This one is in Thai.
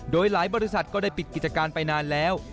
โดยหลายบริษัทก็ได้ปิดกิจการไปนานแล้ว